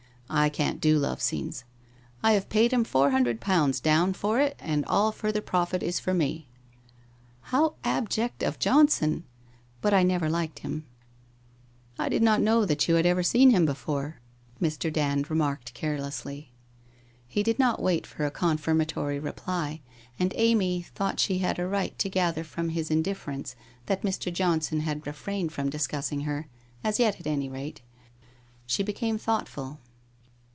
I can't do love scenes. I have paid him four hundred pounds down for it and all farther profit is for me.' 1 How abject of Johnson! But 1 never liked him. 1 ' I did not know that you bad ever seen him before,' Mr. 94 WHITE ROSE OF WEARY LEAF Dan J remarked, carelessly. He did not wait for a con firmatory reply, and Amy thought she had a right to gather from his indifference that Mr. Johnson had refrained from discussing her — as yet, at any rate. ... She became thoughtful.